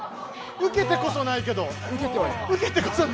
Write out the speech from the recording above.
ウケてこそないけど。